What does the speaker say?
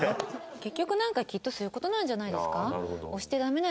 結局なんかきっとそういう事なんじゃないですか。